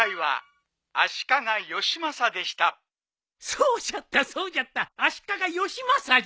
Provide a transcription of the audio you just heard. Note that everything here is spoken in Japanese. そうじゃったそうじゃった足利義政じゃ。